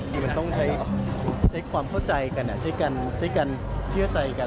คือมันต้องใช้ความเข้าใจกันใช้กันเชื่อใจกัน